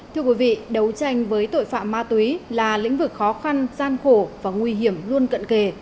thưa quý vị đấu tranh với tội phạm ma túy là lĩnh vực khó khăn gian khổ và nguy hiểm luôn cận kề